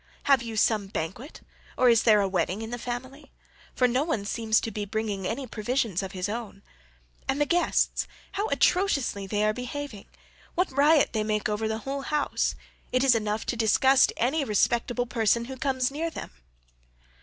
Have you some banquet, or is there a wedding in the family—for no one seems to be bringing any provisions of his own? And the guests—how atrociously they are behaving; what riot they make over the whole house; it is enough to disgust any respectable person who comes near them."